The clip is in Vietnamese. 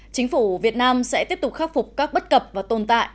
chính phủ việt nam sẽ tiếp tục khắc phục các bất cập và tồn tại